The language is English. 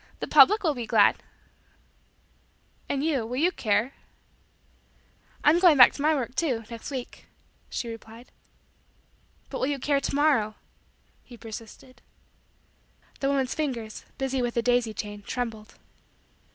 "The public will be glad." "And you, will you care?" "I'm going back to my work, too, next week," she replied. "But will you care to morrow?" he persisted. The woman's fingers, busy with the daisy chain, trembled.